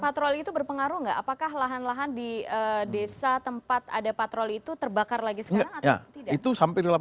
patroli itu berpengaruh nggak apakah lahan lahan di desa tempat ada patroli itu terbakar lagi sekarang atau tidak